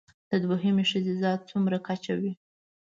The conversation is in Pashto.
د دوهمې ښځې ذات څومره کچه وي